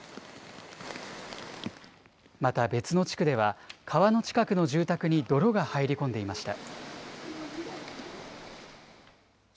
また、別の地区では川の近くの住宅に泥が入り込んでいました。